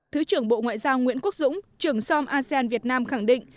thứ trưởng bộ ngoại giao nguyễn quốc dũng trưởng som asean việt nam khẳng định